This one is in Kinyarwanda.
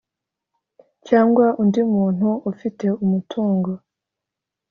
cyangwa undi muntu ufite umutungo